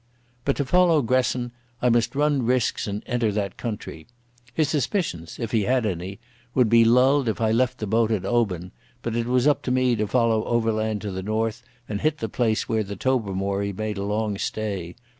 But to follow Gresson I must run risks and enter that country. His suspicions, if he had any, would be lulled if I left the boat at Oban, but it was up to me to follow overland to the north and hit the place where the Tobermory made a long stay.